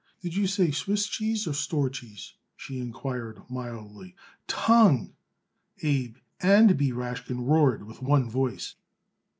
"Did you say Swiss cheese or store cheese?" she inquired mildly. "Tongue!" Abe and B. Rashkin roared with one voice.